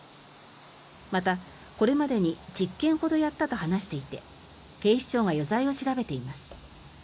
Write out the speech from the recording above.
また、これまでに１０件ほどやったと話していて警視庁が余罪を調べています。